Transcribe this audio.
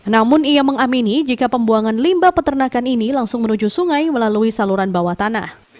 namun ia mengamini jika pembuangan limba peternakan ini langsung menuju sungai melalui saluran bawah tanah